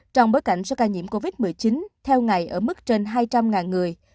trong bối cảnh số ca nhiễm covid một mươi chín theo ngày ở mức trên hai trăm linh người